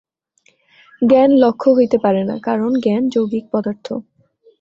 জ্ঞান লক্ষ্য হইতে পারে না, কারণ জ্ঞান যৌগিক পদার্থ।